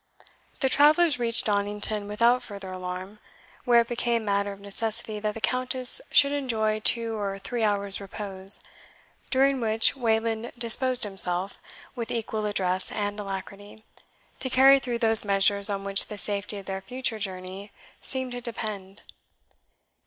The travellers reached Donnington without further alarm, where it became matter of necessity that the Countess should enjoy two or three hours' repose, during which Wayland disposed himself, with equal address and alacrity, to carry through those measures on which the safety of their future journey seemed to depend.